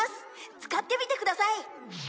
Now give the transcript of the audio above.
「使ってみてください」